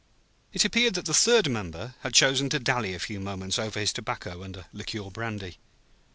It appeared that the third member had chosen to dally a few moments over his tobacco and a liqueur brandy.